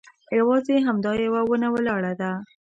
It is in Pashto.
یوازې همدا یوه ونه ولاړه ده.